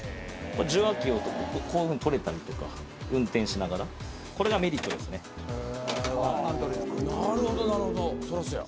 受話器をこういうふうに取れたりとか、運転しながら、これがメリなるほど、なるほど。